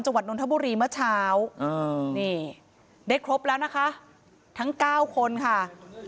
นนทบุรีเมื่อเช้านี่ได้ครบแล้วนะคะทั้งเก้าคนค่ะ